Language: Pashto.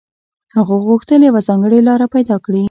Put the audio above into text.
هغه غوښتل يوه ځانګړې لاره پيدا کړي.